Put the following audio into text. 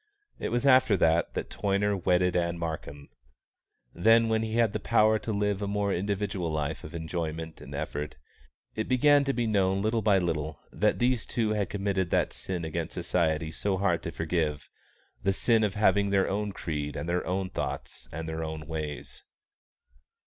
It was after that that Toyner wedded Ann Markham. Then, when he had the power to live a more individual life of enjoyment and effort, it began to be known little by little that these two had committed that sin against society so hard to forgive, the sin of having their own creed and their own thoughts and their own ways.